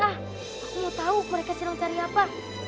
aku mau tahu mereka silang cari apa